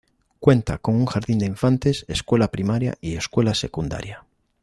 Cuenta con un jardín de infantes, escuela primaria, y escuela secundaria.